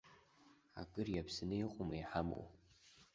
Акыр иаԥсаны иҟоума иҳамоу?